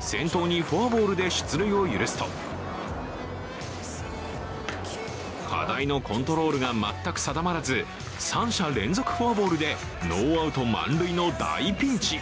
先頭にフォアボールで出塁を許すと課題のコントロールが全く定まらず、三者連続フォアボールでノーアウト満塁の大ピンチ。